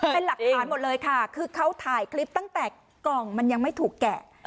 เป็นหลักฐานหมดเลยค่ะคือเขาถ่ายคลิปตั้งแต่กล่องมันยังไม่ถูกแกะ